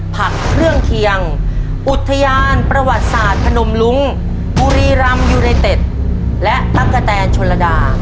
ผักเครื่องเคียงอุทยานประวัติศาสตร์พนมลุ้งบุรีรำยูไนเต็ดและตั๊กกะแตนชนระดา